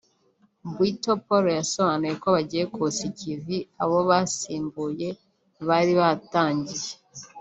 Bwito Paul yasobanuye ko bagiye kusa ikivi abo basimbuye bari batangiye